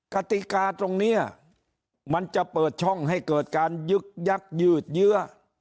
กติกาตรงนี้มันจะเปิดช่องให้เกิดการยึกยักษยืดเยื้อ